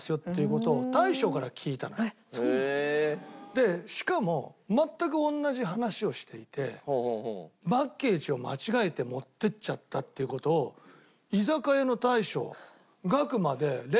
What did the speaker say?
でしかも全く同じ話をしていてバゲージを間違えて持っていっちゃったっていう事を居酒屋の大将楽まで連絡があって。